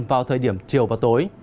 vào thời điểm chiều và tối